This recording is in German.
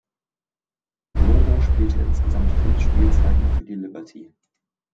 Lobo spielte insgesamt fünf Spielzeiten für die Liberty.